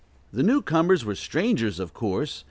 The new comers were strangers, of course.